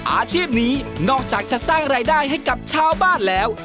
อาชีพนี้นอกจากจะสร้างรายได้ให้กับชาวบ้านแล้ว